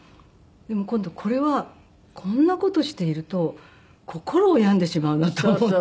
でも今度これはこんな事をしていると心を病んでしまうなと思って。